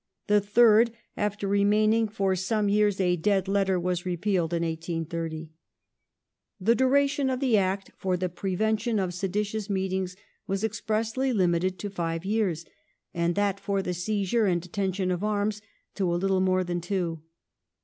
The third, after remaining for some years a dead letter, was repealed in 1830. The duration of the Act for the prevention of seditious meetings was expressly limited to five years, and that for the seizure and detention of arms to a little more than two.